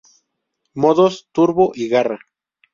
Modos: Turbo y garra.